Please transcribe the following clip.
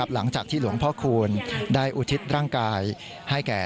หลังจากที่หลวงพ่อคูณได้อุทิศร่างกายให้แก่